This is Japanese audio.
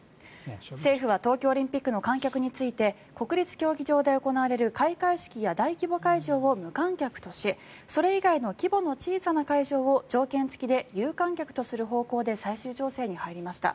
政府は東京オリンピックの観客について国立競技場で行われる開会式や大規模会場を無観客としそれ以外の規模の小さな会場を条件付きで有観客とする方向で最終調整に入りました。